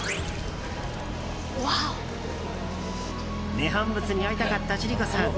涅槃仏に会いたかった千里子さん。